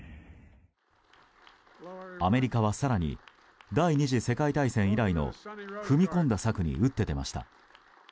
アメリカは更に第２次世界大戦以来の踏み込んだ策に打って出ました。